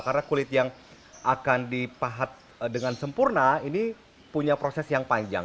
karena kulit yang akan dipahat dengan sempurna ini punya proses yang panjang